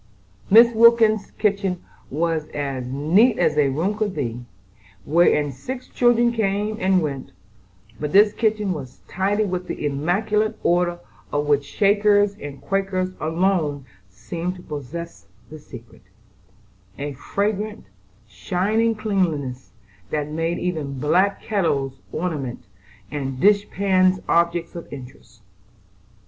Mrs. Wilkins's kitchen was as neat as a room could be, wherein six children came and went, but this kitchen was tidy with the immaculate order of which Shakers and Quakers alone seem to possess the secret,—a fragrant, shining cleanliness, that made even black kettles ornamental and dish pans objects of interest.